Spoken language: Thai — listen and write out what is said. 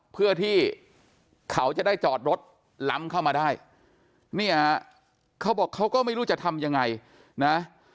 เพื่อที่เขาจะได้จอดรถล้ำเข้ามาได้เนี่ยเขาบอกเขาก็ไม่รู้จะทำยังไงนะ